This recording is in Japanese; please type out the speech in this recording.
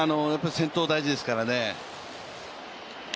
先頭、大事ですからね。